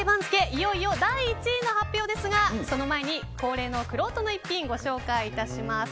いよいよ第１位の発表ですがその前に恒例のくろうとの逸品ご紹介いたします。